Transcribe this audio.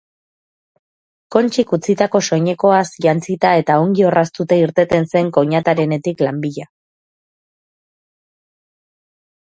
Kontxik utzitako soinekoaz jantzita eta ongi orraztuta irteten zen koinatarenetik lan bila.